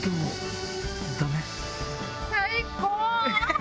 最高！